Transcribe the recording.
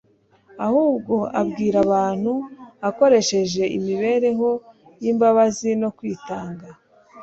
ahubwo abwira abantu akoresheje imibereho y'imbabazi no kwitanga.